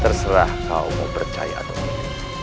terserah kamu percaya atau tidak